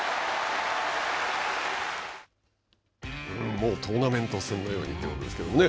もうトーナメント戦のようにということですけどもね。